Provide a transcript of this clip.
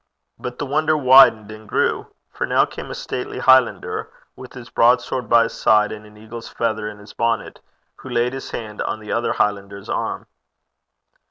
But the wonder widened and grew; for now came a stately Highlander with his broadsword by his side, and an eagle's feather in his bonnet, who laid his hand on the other Highlander's arm.